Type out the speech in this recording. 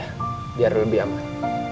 bisa aja biar lebih aman